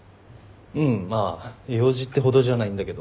うんまあ用事ってほどじゃないんだけど。